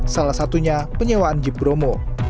salah satunya penyewaan jeep bromo